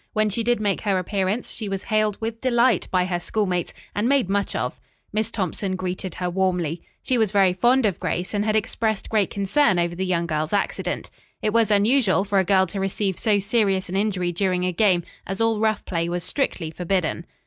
When she did make her appearance, she was hailed with delight by her schoolmates and made much of. Miss Thompson greeted her warmly. She was very fond of Grace, and had expressed great concern over the young girl's accident. It was unusual for a girl to receive so serious an injury during a game, as all rough play was strictly forbidden.